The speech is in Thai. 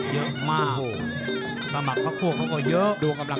เยอะมากสมัครพวกพวกเขาก็เยอะ